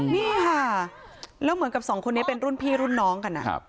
นี่ค่ะแล้วเหมือนกับสองคนนี้เป็นรุ่นพี่รุ่นน้องกัน